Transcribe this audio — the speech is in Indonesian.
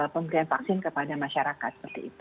pemberian vaksin kepada masyarakat